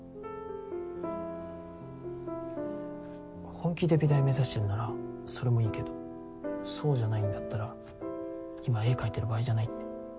本気で美大目指してるならそれもいいけどそうじゃないんだったら今絵描いてる場合じゃないって。